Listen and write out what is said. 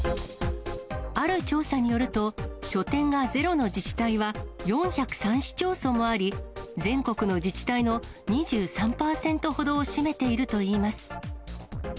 ある調査によると、書店がゼロの自治体は４０３市町村あり、全国の自治体の２３％ほどを占めているといいます。